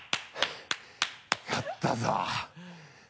勝ったぞ。